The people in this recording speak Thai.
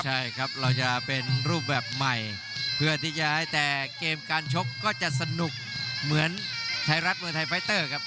ใช่ครับเราจะเป็นรูปแบบใหม่เพื่อที่จะให้แต่เกมการชกก็จะสนุกเหมือนไทยรัฐมวยไทยไฟเตอร์ครับ